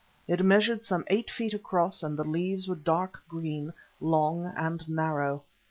It measured some eight feet across, and the leaves were dark green, long and narrow.